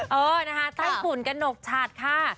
เออนะคะไต้ฝุ่นกระหนกฉัดค่ะ